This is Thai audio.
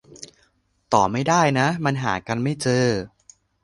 ต่อไม่ได้นะ มันหากันไม่เจอ